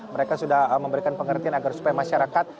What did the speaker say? mereka sudah memberikan pengertian agar supaya masyarakat